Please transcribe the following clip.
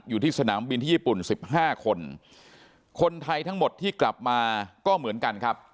อยู่ที่สนามบินที่ญี่ปุ่นสิบห้าคนคนไทยทั้งหมดที่กลับมาก็เหมือนกันครับ